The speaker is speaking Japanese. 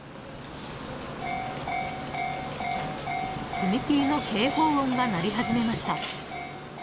［踏切の警報音が鳴り始めました］